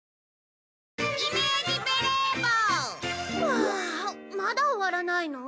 ふあまだ終わらないの？